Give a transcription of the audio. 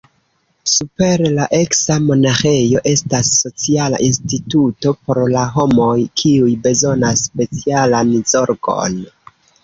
Super la eksa monaĥejo estas sociala instituto por la homoj, kiuj bezonas specialan zorgon.